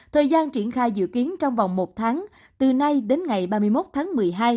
thời gian triển khai dự kiến trong vòng một tháng từ nay đến ngày ba mươi một tháng một mươi hai